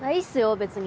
別に。